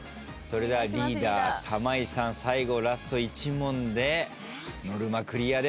それではリーダー玉井さん最後ラスト１問でノルマクリアです。